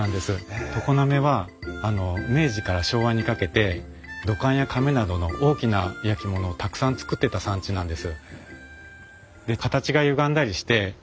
常滑は明治から昭和にかけて土管やかめなどの大きな焼き物をたくさん作ってた産地なんです。